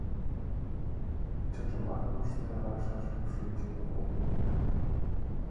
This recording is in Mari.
Чынжымак, нуно рашыжым шинчен огытыл.